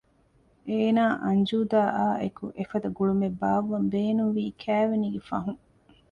އޭނާ އަންޖޫދާއާއެކު އެފަދަ ގުޅުމެއް ބާއްވަން ބޭނުންވީ ކައިވެނީގެ ފަހުން